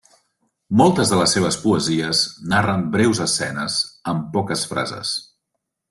Moltes de les seves poesies narren breus escenes, amb poques frases.